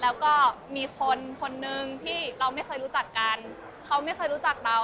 แล้วก็มีคนคนนึงที่เราไม่เคยรู้จักกันเขาไม่เคยรู้จักเรา